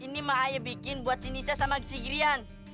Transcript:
nama ayah bikin buat si nisa sama si girian